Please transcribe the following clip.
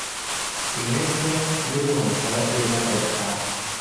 A színésznő az írónő szerepében debütál.